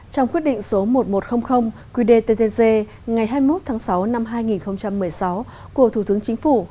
trong quyết định số một nghìn một trăm linh quy đề ttc ngày hai mươi một tháng sáu năm hai nghìn một mươi sáu của thủ tướng chính phủ